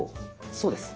そうです。